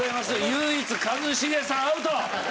唯一一茂さんアウト。